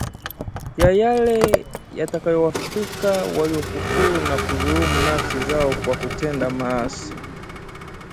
ya yale yatakayowafika waliokufuru na kudhulumu nafsi zao kwa kutenda maasi